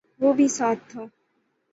وہ بھی ساتھ تھا